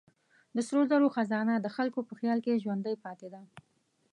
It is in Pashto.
د سرو زرو خزانه د خلکو په خیال کې ژوندۍ پاتې ده.